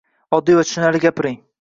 Oddiy va tushunarli gapiring.